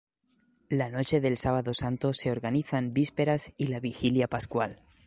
La noche del Sábado Santo se organizan Vísperas y la Vigilia Pascual.